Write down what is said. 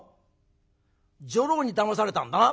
女郎にだまされたんだな？」。